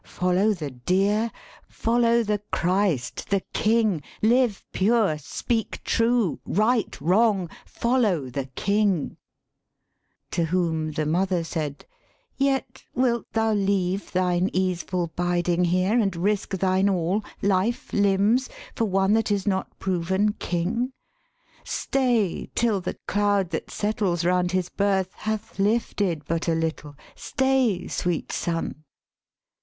Follow the deer? follow the Christ, the King, 183 THE SPEAKING VOICE Live pure, speak true, right wrong, follow the King' To whom the mother said, ' Yet wilt thou leave Thine easeful biding here, and risk thine all, Life, limbs, for one that is not proven King? Stay, till the cloud that settles round his birth Hath lifted but a little. Stay, sweet son.'